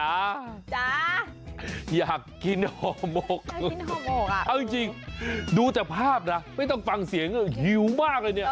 แม่จ๋าอยากกินโหมกจริงดูจากภาพนะไม่ต้องฟังเสียงหิวมากเลยนี่